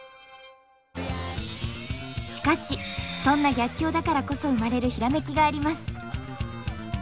しかしそんな逆境だからこそ生まれるヒラメキがあります。